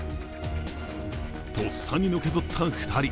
とっさにのけぞった２人。